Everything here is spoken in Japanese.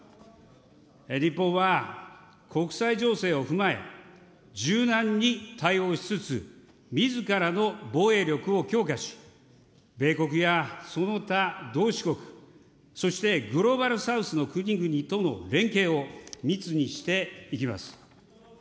日本は国際情勢を踏まえ、柔軟に対応しつつみずからの防衛力を強化し、米国やその他同志国、そしてグローバル・サウスの国々との連携を密にしていきます。